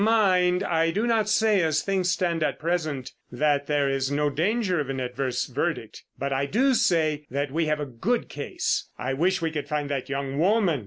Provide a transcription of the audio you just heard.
Mind, I do not say as things stand at present that there is no danger of an adverse verdict; but I do say that we have a good case. I wish we could find that young woman.